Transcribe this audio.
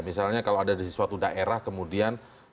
misalnya kalau ada di suatu daerah kemudian